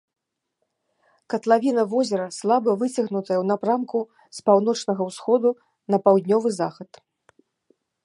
Катлавіна возера слаба выцягнутая ў напрамку з паўночнага ўсходу на паўднёвы захад.